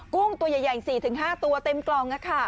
กุ้งตัวใหญ่๔๕ตัวเต็มกล่อง